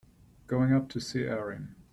Going up to see Erin.